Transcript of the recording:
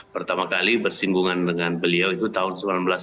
pertama kali bersinggungan dengan beliau itu tahun seribu sembilan ratus sembilan puluh